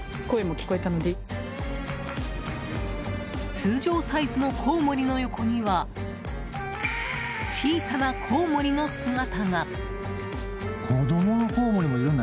通常サイズのコウモリの横には小さなコウモリの姿が。